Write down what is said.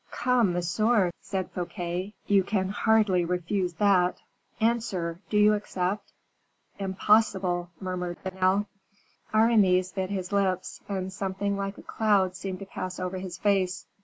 "Come, monsieur," said Fouquet, "you can hardly refuse that. Answer do you accept?" "Impossible," murmured Vanel. Aramis bit his lips, and something like a cloud seemed to pass over his face.